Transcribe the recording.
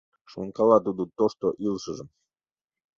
Шонкала тудо тошто илышыжым.